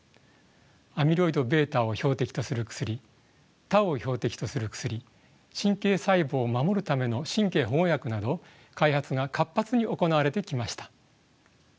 アミロイドβを標的とする薬タウを標的とする薬神経細胞を守るための神経保護薬など開発が活発に行われてきました。